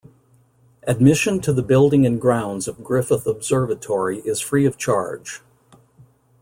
Admission to the building and grounds of Griffith Observatory is free of charge.